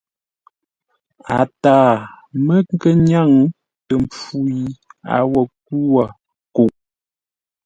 A taa mə́ nkə́ nyáŋ tə mpfu yi a wo nkwʉ́ wó kuʼ.